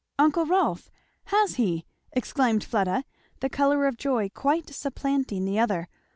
"Uncle Rolf! Has he!" exclaimed Fleda, the colour of joy quite supplanting the other.